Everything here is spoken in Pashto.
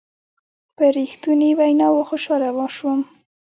په رښتنوني ویناوو خوشحاله شوم.